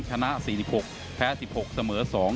ชนะ๔๖แพ้๑๖เสมอ๒